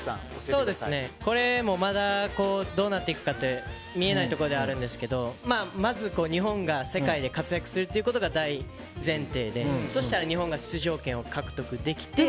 これもまだどうなっていくかって見えないところではあるんですけどまず、日本が世界で活躍するということが大前提で、そしたら日本が出場権を獲得できて。